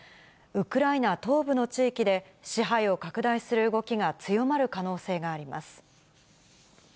ウクライナ東部の地域で、支配を拡大する動きが強まる可能性があります。